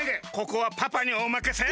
ここはパパにおまかせ！